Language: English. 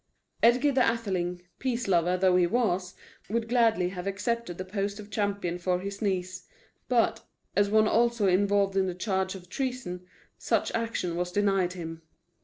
Edgar the Atheling, peace lover, though he was, would gladly have accepted the post of champion for his niece, but, as one also involved in the charge of treason, such action was denied him.